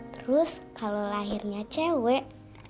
terus kalau lahirnya cewek